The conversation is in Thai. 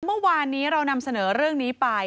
เมื่อวานนี้เรานำเสนอเรื่องนี้ไป